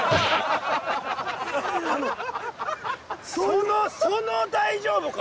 そのその大丈夫か！